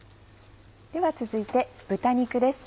では続いて豚肉です。